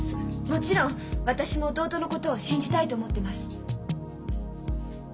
もちろん私も弟のことを信じたいと思ってます。